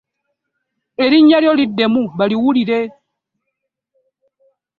Erinnya lyo liddemu baliwulire.